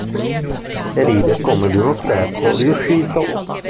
E ride come di uno scherzo riuscito.